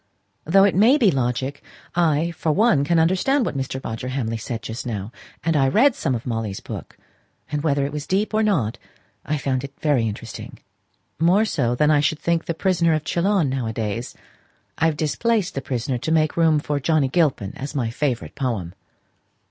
"Though it may be logic, I, for one, can understand what Mr. Roger Hamley said just now; and I read some of Molly's books; and whether it was deep or not I found it very interesting more so than I should think the 'Prisoner of Chillon' now a days. I've displaced the Prisoner to make room for Johnnie Gilpin as my favourite poem."